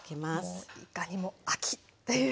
もういかにも秋っていう。